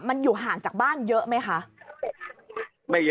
มันอยู่ห่างจากบ้านเยอะไหมค่ะไม่เยอะ